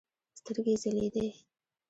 سترګې يې ځلېدې.